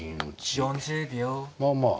まあまあ。